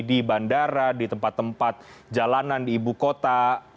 di bandara di tempat tempat jalanan di ibu kota